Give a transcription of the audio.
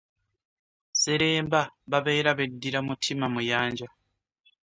Sseremba babeera beddira mutima muyanja.